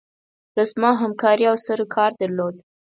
رسما همکاري او سروکار درلود.